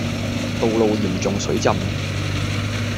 道路嚴重水浸